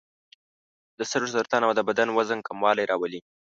د سږو سرطان او د بدن وزن کموالی راولي.